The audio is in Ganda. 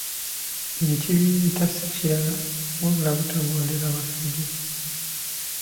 Ekibireeta si kirala wabula butagondera bakadde.